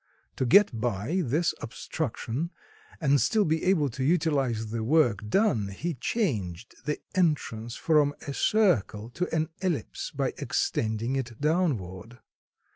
To get by this obstruction and still be able to utilize the work done, he changed the entrance from a circle to an ellipse by extending it downward.